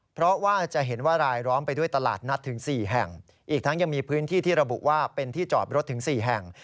เพราะว่าจะเห็นว่ารายล้อมไปด้วยตลาดนัดถึง๔แห่งอีกทั้งยังมีพื้นที่ที่ระบุว่าเป็นที่จอดรถถึง๔แห่ง